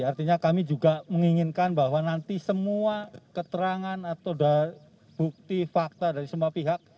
artinya kami juga menginginkan bahwa nanti semua keterangan atau bukti fakta dari semua pihak